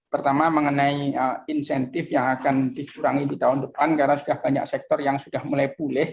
pertama mengenai insentif yang akan dikurangi di tahun depan karena sudah banyak sektor yang sudah mulai pulih